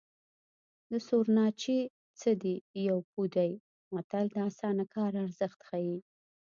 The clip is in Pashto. د سورناچي څه دي یو پو دی متل د اسانه کار ارزښت ښيي